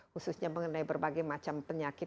khususnya mengenai berbagai macam penyakit